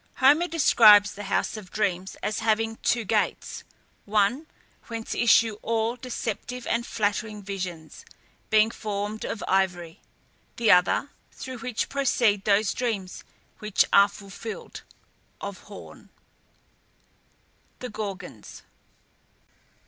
Homer describes the House of Dreams as having two gates: one, whence issue all deceptive and flattering visions, being formed of ivory; the other, through which proceed those dreams which are fulfilled, of horn. THE GORGONS.